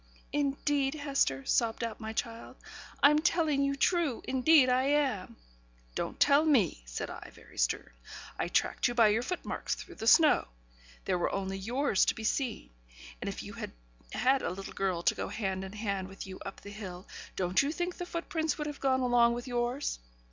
'Indeed, Hester,' sobbed out my child, 'I'm telling you true. Indeed I am.' 'Don't tell me!' said I, very stern. 'I tracked you by your foot marks through the snow; there were only yours to be seen: and if you had had a little girl to go hand in hand with you up the hill, don't you think the footprints would have gone along with yours?'